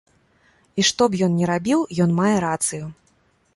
І што б ён ні рабіў, ён мае рацыю.